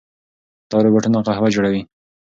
دا روباټونه قهوه جوړوي.